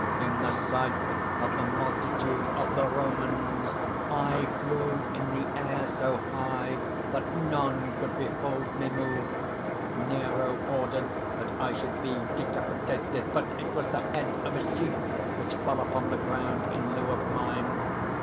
"In the sight of the multitude of the Romans, I flew in the air so high that none could behold me move. Nero ordered that I should be decapitated; but it was the head of a sheep which fell upon the ground in lieu of mine.